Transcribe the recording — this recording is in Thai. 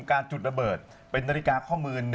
การจุดระเบิดเป็นนาฬิกาข้อมือ